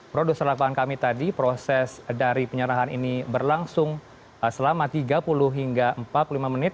produser lapangan kami tadi proses dari penyerahan ini berlangsung selama tiga puluh hingga empat puluh lima menit